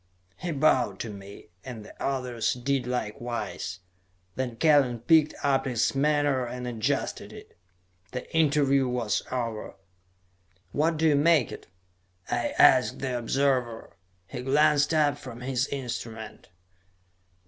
He bowed to me, and the others did likewise. Then Kellen picked up his menore and adjusted it. The interview was over. "What do you make it?" I asked the observer. He glanced up from his instrument.